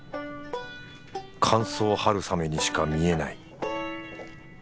乾燥春雨にしか見えない